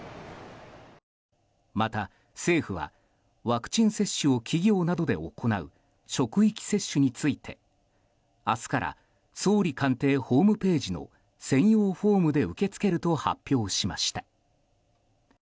また、政府はワクチン接種を企業などで行う職域接種について明日から総理官邸ホームページの専用フォームで受け付けると発表しました。